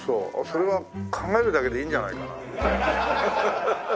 それは考えるだけでいいんじゃないかな。